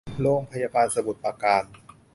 โรงพยาบาลสมุทรปราการ